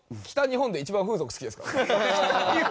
北日本で一番。